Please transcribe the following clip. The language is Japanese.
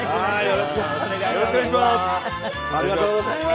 よろしくお願いします。